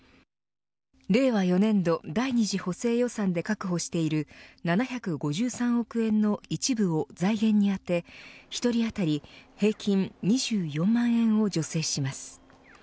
令和４年度第２次補正予算案で確保している７５３億円の一部を財源に充て、１人あたり平均２４万円を助成します。